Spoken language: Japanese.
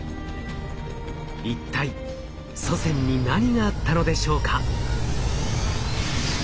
一体祖先に何があったのでしょうか？